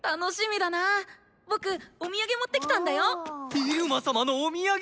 イルマ様のお土産！